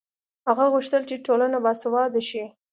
هغه غوښتل چې ټولنه باسواده شي.